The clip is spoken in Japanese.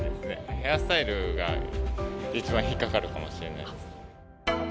ヘアスタイルが一番引っ掛かるかもしれないです。